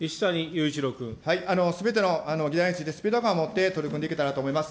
すべての議題について、スピード感を持って取り組んでいけたらと思います。